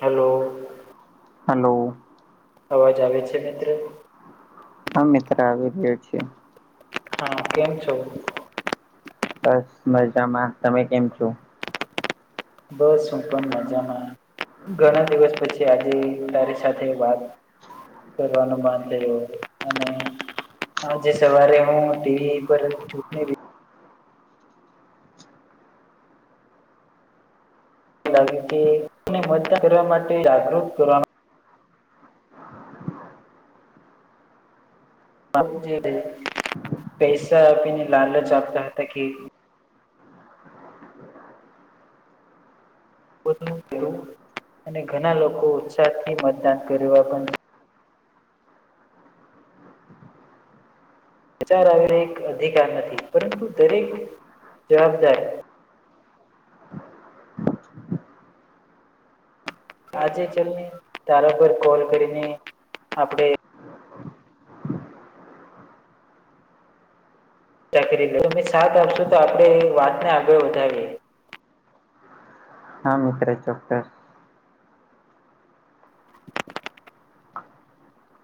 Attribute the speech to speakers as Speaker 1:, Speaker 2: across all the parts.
Speaker 1: Hello
Speaker 2: hello
Speaker 1: અવાજ આવે છે મિત્રો
Speaker 2: હા મિત્ર આવી રહ્યો છે.
Speaker 1: હા કેમ છો?
Speaker 2: બસ મજામાં તમે કેમ છો?
Speaker 1: બસ હું પણ મજામાં ઘણા દિવસ પછી આજે તારી સાથે વાત કરવાનું માન થયુ અને આજે સવારે હું ટીવી પર ચૂટણી લ લાવી તી અને મતદાન કરવા માટે જાગૃત કરવા પૈસા આપીને લાલચ આપતા હતા કે પોતાનું કરવુ અને ઘણા લોકો ઉત્સાહથી મતદાન કરવા પણ વિચાર આવેને એક અધિકાર નથી પરંતુ દરેક જવાબદાર આજે ચલને તારા ઉપર કોલ કરીને આપડે ચાકરી કરીએ તમે સાથ આપશો તો આપણેે વાતને આગળ વધારીએ.
Speaker 2: હા મિત્ર ચોક્કસ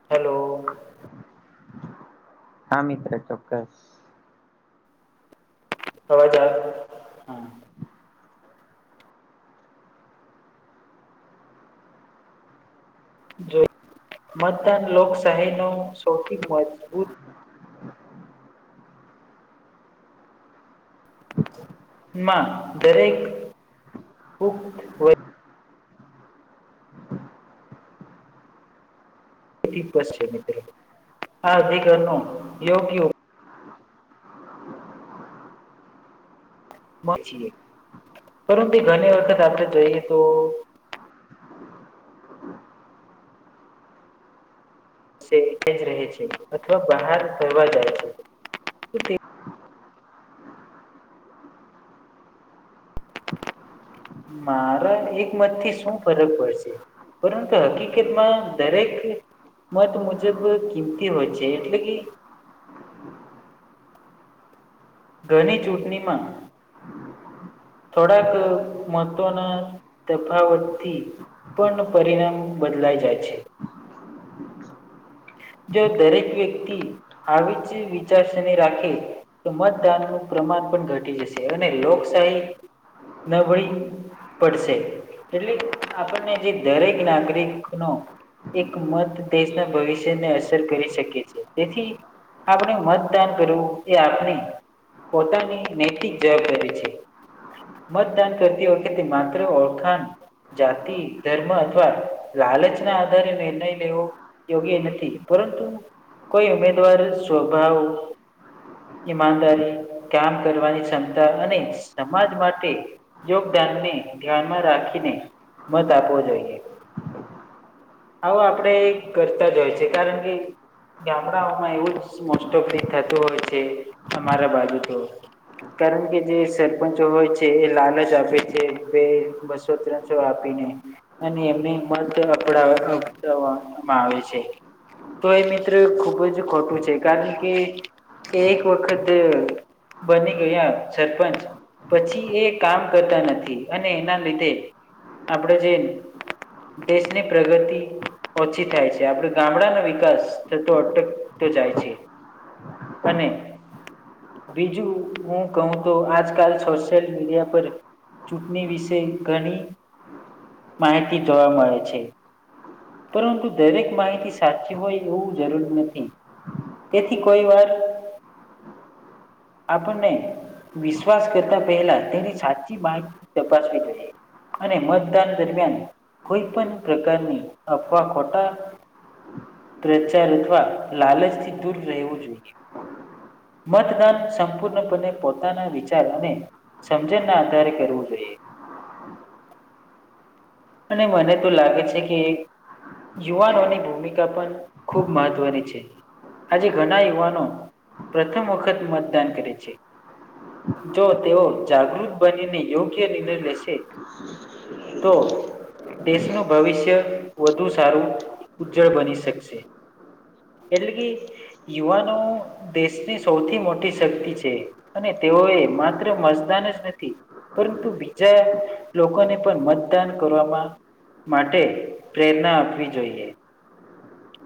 Speaker 1: હેલો.
Speaker 2: હા મિત્ર ચોક્કસ
Speaker 1: અવાજ આવે હા જો મતદાન લોકશાહી નો સૌથી મજબૂત માં દરેક બુક હોય અધિ બ્રસ્ટ છે અધિકાર નો યોગ્ય પણ છે પરંતુ ઘણી વખત આપણે જોઈએ તો છે એ જ રહે છે અથવા બહાર ફરવા જાય છે તો તે મારા એક મત થી શું ફરક પડશે પરંતુ હકીકતમાં દરેક મત મુજબ કિંમતી હોય છે એટલે કે ઘણી ચૂંટણી માં થોડાક મહત્વના તફાવતથી પણ પરિણામ બદલાઈ જાય છે. જો દરેક વ્યક્તિ આવી જ વિચારસરણી રાખે તો મતદાન નું પ્રમાણ પણ ઘટી જશે અને લોકશાહી નબળી પડશે એટલે આપણને જે દરેક નાગરિક નો એક મત દેશના ભવિષ્યને અસર કરી શકે છે તેથી આપણે મતદાન કરવું એ આપણે પોતાની નૈતિક જવાબદારી છે. મતદાન કરતી વખતે તે માત્ર ઓળખાન જાતિ ધર્મ અથવા લાલચ ના આધારે નિર્ણય લેવો યોગ્ય નથી પરંતુ કોઈ ઉમેદવાર સ્વભાવ ઈમાનદારી કામ કરવાની ક્ષમતા અને સમાજ માટે યોગદાનને ધ્યાનમાં રાખીને મત આપવો જોઈએ. આવો આપણેે એ કરતા જ હોય છે કારણ કે ગામડાઓમાં એવું જ મોસ્ટ ઓફી થતું હોય છે અરા બાજુ તો કારણ કે જે સર પંચો હોય છે એ લાલ જ આપે છે બે બસો ત્રણસો આપીને અને એમનેં મત અપડ અપડવામાં આવે છે તો એ મિત્ર ખૂબ જ ખોટું છે કારણ કે એક વખત બની ગયા સરપંચ પછી એ કામ કરતા નથી અને એના લીધે આપડે જે દેશની પ્રગતિ ઓછી થાય છે આપડે ગામડાનો વિકાસ થતો અટકતો જાય છે. અને બીજું હું કહું તો આજ કલ સોશિયલ મીડિયા પર ચૂંટણી વિશે ઘણી માહિતી જોવા મળે છે પરંતુ દરેક માહિતી સાચી હોય એવું જરૂરી નથી તેથી કોઈ વાર આપણને વિશ્વાસ કરતા પહેલા તેની સાચી માહિતી તપાસવી જોઈએ અને મતદાન દરમિયાન કોઈ પણ પ્રકારની અફવા ખોટા પ્રચાર અથવા લાલચ થી દૂર રહેવું જોઈએ મતદત સંપૂર્ણપણે પોતાના વિચાર અને સમજણ ના આધારે કરવું જોઈએ અને મને તો લાગે છે કે યુવાનોની ભૂમિકા પણ ખૂબ મહત્વની છે આજે ઘણા યુવાનો પ્રથમ વખત મતદાન કરે છે જો તેઓ જાગૃત બનીને યોગ્ય નિર્ણય લેશે તો દેશનું ભવિષ્ય વધુ સારું ઉજ્જળ બની શકશે એટલે કે યુવાનો દેશની સૌથી મોટી શક્તિ છે અને તેઓ એ માત્ર મસદાન જ નથી પરંતુ બીજા લોકોને પણ મતદાન કરવામાં માટે પ્રેરણા આપવી જોઈએ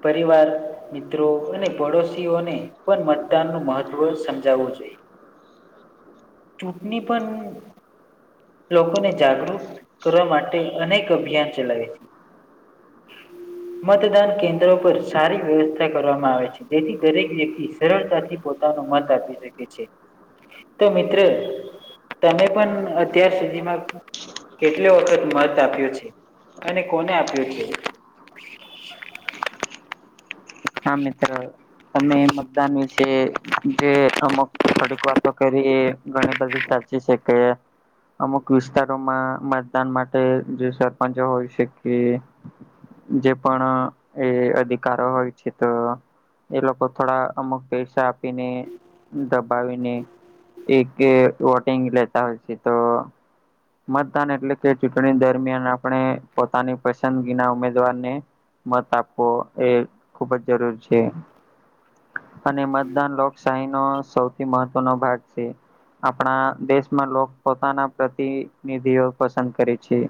Speaker 1: પરિવાર મિત્રો અને પડોશીઓને પણ મતદાન નું મહત્વ સમજાવવું જોઈએ ચૂંટણી પણ લોકોને જાગૃત કરવા માટે અનેક અભિયાન ચલાવે છે [inaudible] મતદાન કેન્દ્રો પર સારી વ્યવસ્થા કરવામાં આવે છે જેથી દરેક વ્યક્તિ સરળતાથી પોતાનો મત આપી શકે છે તો મિત્ર તમે પણ અત્યાર સુધીમાં કેટલો વખત મત આપ્યો છે અને કોને આપ્યો છે
Speaker 2: હા મિત્ર અમે મતદાન વિશે જે અમુક થોડીક વાતો કરી એ ઘણી બધી સાચી છે કે અમુક વિસ્તારોમાં મતદાન માટે જે સરપંચો હોય શકે જે પણ એ અધિકારો હોય તો એ લોકો થોડા અમુક પૈસા આપીને દબાવીને એક વોટિંગ લેતા હોય છે તો મતદાન એટલે કે ચૂંટણી દરમિયાન આપણે પોતાની પસંદગીના ઉમેદવારને મત આપવો એ ખુબ જ જરૂર છે અને મતદાન લોકશાહી નો સૌથી મહત્વનોો ભાગ છે આપણા દેશમાં લોકો પોતાના પ્રતિનિધિઓ પસંદ કરે છે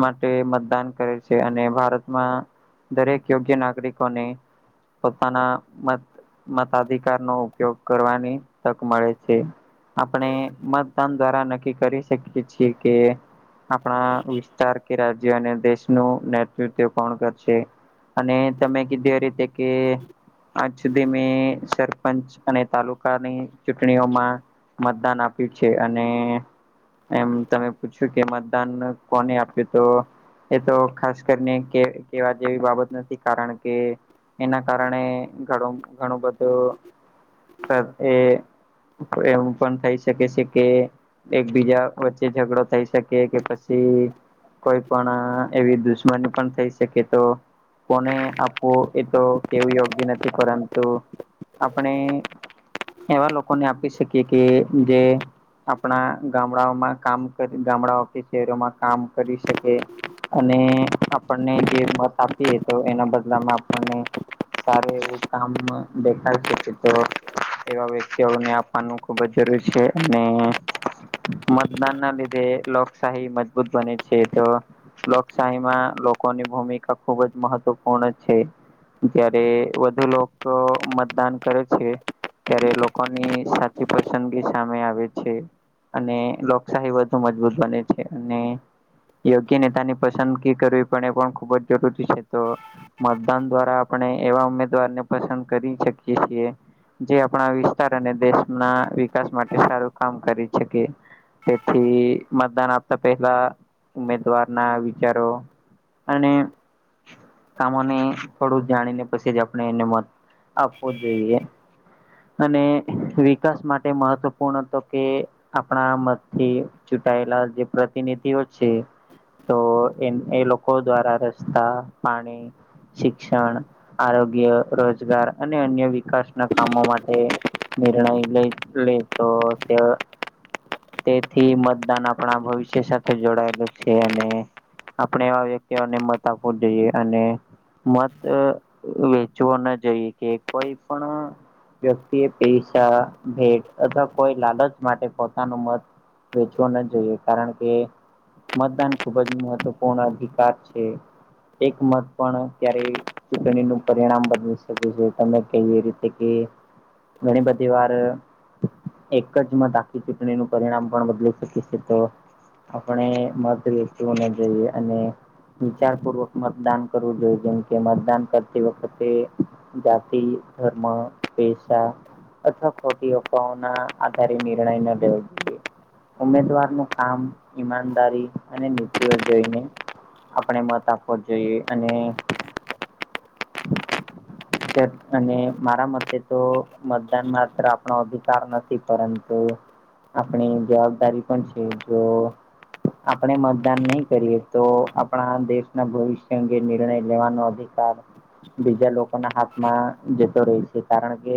Speaker 2: માટે મતદાન કરે છે અને ભારતમાં દરેક યોગ્ય નાગરિકોને પોતાના મત મતાધિકાર નો ઉપયોગ કરવાની તક મળે છે આપણે મતદાન દ્વારા નક્કી કરી શકીએ છીએ કે આપણા વિસ્તાર કે રાજ્ય અને દેશનું નેતૃત્વ કોણ કરશે અને તમે કીધું એ રીતે કે આજ સુધી મેં સરપંચ અને તાલુકાની ચૂંટણીઓમાં મતદાન આપ્યું છે અને એમ તમે પૂછ્યું કે મતદાન કોને આપ્યું તો એ તો ખાસ કરીને કેવા જેવી બાબત નથી કારણ કે એના કારણે ઘણું બધું એ કોઇ એવું પણ થઈ શકે છે કે એકબીજા વચ્ચે ઝઘડો થઈ શકે કે પછી કોઈ પણ એવી દુશ્મની પણ થઈ શકે તો કોને આપવું એ તો કેવું યોગ્ય નથી પરંતુ આપણે એવા લોકોને આપી શકીએ કે જે આપણા ગામડાઓમાં કામ ગામડાઓ કે શહેરોમાં કામ કરી શકે અને આપણને જે મત આપીએ તો એના બદલામાં આપણને સારુ એવું કામ દેખાઇ શકે તો એવા વ્યક્તિઓને આપવાનું ખુબ જ જરૂરી છે અને મતદાન ના લીધે લોકશાહી મજબૂત બને છે તો લોકશાહી માં લોકોની ભૂમિકા ખુબ જ મહત્વપૂર્ણ છે જયારે વધુ લોકો મતદાન કરે છે ત્યારે લોકોની સાચી પસંદગી સામે આવે છે અને લોકશાહી વધુ મજબૂત બને છે અને યોગ્ય નેતાની પસંદગી કરવી એ પણ ખૂબ જ જરૂરી છે તો મતદાન દ્વારા આપણે એવા ઉમેદવારને પસંદ કરી શકીએ છીએ જે આપણા વિસ્તાર અને દેશ ના વિકાસ માટે સારું કામ કરી શકે તેથી મતદાન આપતા પેલા ઉમેદવાર ના વિચારો અને કામોને થોડું જાણીને પછી જ આપ એને મત આપવો જોઈએ અને વિકાસ માટે મહત્વપૂર્ણ તો કે આપણા મતથી ચૂંટાયેલા જે પ્રતિનિધિઓ છે તો એ એ લોકો દ્વારા રસ્તા પાણી શિક્ષણ આરોગ્ય રોજગાર અને અન્ય વિકાસના કામો માટે નિર્ણય લઈ લે તો તે તેથી મતદાન આપણા ભવિષ્ય સાથે જોડાયેલું છે અને આપણે એવા વ્યક્તિઓને મત આપવો જોઈએ અને મત જોવા ન જઈએ કે કોઈ પણ વ્યક્તિ એ પૈસા ભેટ અથવા કોઈ લાલચ માટે પોતાનું મત વેચવો ના જોઈએ કારણ કે મતદાન ખુબ જ મહત્વપૂર્ણ અધિકાર છે એક મત પણ ક્યારેય ચૂંટણીનું પરિણામ બદલી શકે છે તમે કહીએ રીતે કે ઘણી બધી વાર એક જ મત આખી ચૂંટણી નું પરિણામ પણ બદલી શકી છે તો આપણે મત વેચવો ન જોઈએ અને વિચાર પૂર્વક મતદાન કરવું જોઈએ જેમ કે મતદાન કર તે વખતે જાતિ ધર્મ પેસા અથવા ખોટી અફવાઓ ના આધારે નિર્ણય ન લેવો જોઈએ ઉમેદવાર નું કામ ઈમાનદારી અને નીતિઓ જોઈને આપણે મત આપવો જોઈએ અને
Speaker 1: [unintelligible] [inaudible]
Speaker 2: અને મારા મતે તો મતદાન માત્ર આપણો અધિકાર નથી પરંતુ આપણી જવાબદારી પણ છે જો આપણે મતદાન નહી કરીએ તો આપણા દેશના ભવિષ્ય અંગે નિર્ણય લેવાનો અધિકાર બીજા લોકોના હાથમાં જતો રહેે છે કારણ કે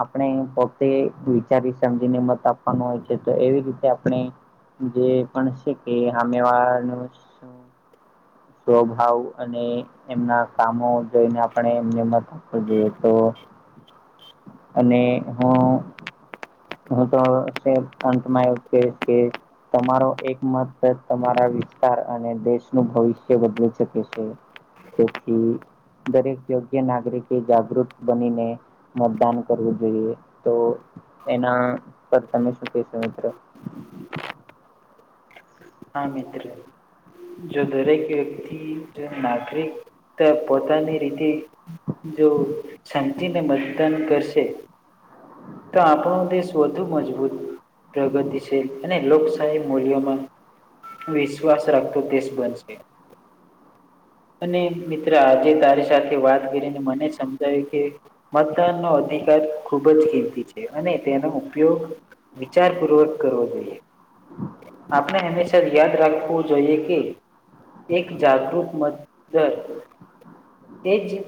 Speaker 2: આપણે પોતે વિચારી સમજીને મત આપવાનું હોય છે તો એવી રીતે આપણે જે પણ છે કે હામેવાળાનું સ્વભાવ અને એમના કામો જોઈને આપણે એમને મત આપવું જોઈએ તો અને હું હું તો અંતમાંયગ કે તમારો એક મત તમારા વિસ્તાર અને દેશનુંું ભવિષ્ય વધદલી શકે છે દરેક યોગ્ય નાગરિક એ જાગૃત બનીને મતદાન કરવું જોઈએ તો એના પર તમે શું કશો મિત્રો
Speaker 1: હા મિત્ર જો દરેક વક્તિ નાગરિકતા પોતાની રીતે જો મતદાન કરશે તો આપણો દેશ વધુ મજબૂત પ્રગતિશીલ અને લોકશાહી મૂલ્યોમાં વિશ્વાસ રાખતો દસ બનશે અને મિત્ર આજે તારી સાથે વાત કરીને મને સમજાય્યું કે મતદાનનોો અધિકાર ખૂબ જ કિંતી છે અને તેનો ઉપયોગ વિચાર પૂર્વક કરવો જોઈએ આપણે હંમેશા યાદ રાખવું જોઈએ કે એક જાગૃરૂત મદર એ જ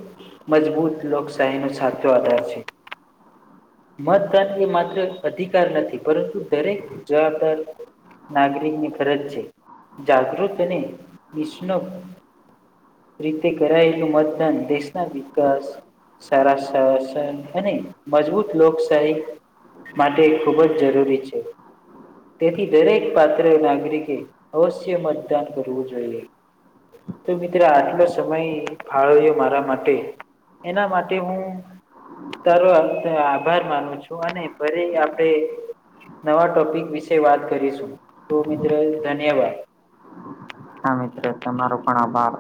Speaker 1: મજબૂત લોકશાહીનોો સાચો આધાર છે મતદાન એ માત્ર અધિકાર નથી પરંતુ દરેક જવાબદાર નાગરિકની ફરજ છે જાગૃત અને નિષ્ણુ રીતે કરાયેલું મતદાન દેશના વિકાસ સાર અને મજબૂત લોકશાહી માટે ખૂબ જ જરૂરી છે તેથી દરેક પાત્ર નાગરિકે અવશ્ય મતદાન કરવું જોઈએ તો મિત્ર આટલો સમય ફાળવ્યો મારા માટે એના માટે હું સારો આભાર માનું છું અને ફરી આપણે નવા ટોપિક વિશે વાત કરીશું તો મિત્રો ધન્યવાદ
Speaker 2: હા મિત્રો તમારો પણ આભાર